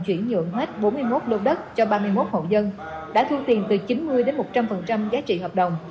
chuyển nhượng hết bốn mươi một lô đất cho ba mươi một hộ dân đã thu tiền từ chín mươi đến một trăm linh giá trị hợp đồng